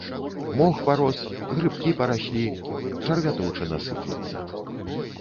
Мох парос, грыбкі параслі, чарвяточына сыплецца.